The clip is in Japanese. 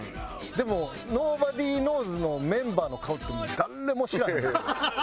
でもｎｏｂｏｄｙｋｎｏｗｓ＋のメンバーの顔って誰も知らへんやん。